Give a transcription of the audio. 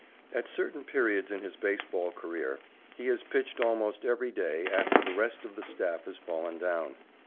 At certain periods in his baseball career, he has pitched almost every day after the rest of the staff had fallen down.